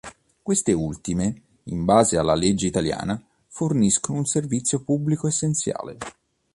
Queste ultime, in base alla legge italiana, forniscono un servizio pubblico essenziale.